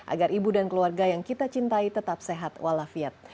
agar ibu dan keluarga yang kita cintai tetap sehat walafiat